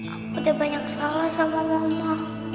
aku udah banyak salah sama mama